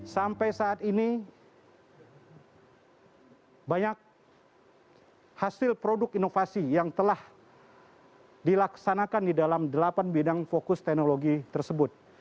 sampai saat ini banyak hasil produk inovasi yang telah dilaksanakan di dalam delapan bidang fokus teknologi tersebut